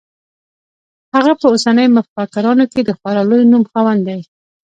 هغه په اوسنیو مفکرانو کې د خورا لوی نوم خاوند دی.